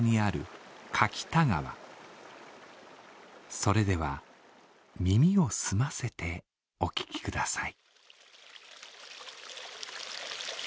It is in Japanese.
それでは耳を澄ませてお聞きください。